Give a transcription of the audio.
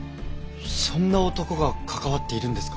そんな男が関わっているんですか？